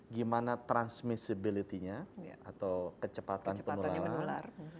gimana transmissibility nya atau kecepatan penularan